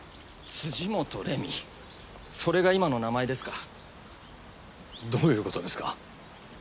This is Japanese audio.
元怜美それが今の名前ですかどういうことですか？